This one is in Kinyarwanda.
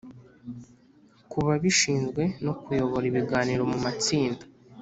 kubabishinzwe no kuyobora ibiganiro mu matsinda